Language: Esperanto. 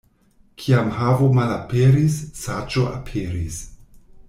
Kiam havo malaperis, saĝo aperis.